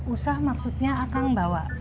usah maksudnya akang bawa